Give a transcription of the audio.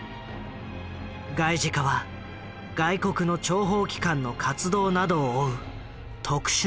外事課は外国の諜報機関の活動などを追う特殊な部署。